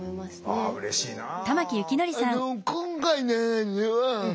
ああうれしいなあ。